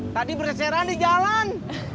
tadi bereseran di jalan